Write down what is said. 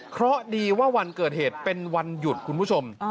เพราะดีว่าวันเกิดเหตุเป็นวันหยุดคุณผู้ชม